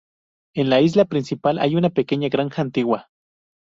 En la isla principal hay una pequeña granja antigua.